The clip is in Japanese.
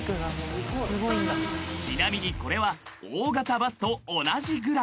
［ちなみにこれは大型バスと同じぐらい］